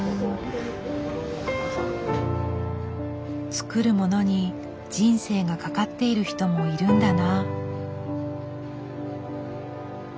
作るものに人生がかかっている人もいるんだな。